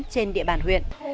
trên địa bàn huyện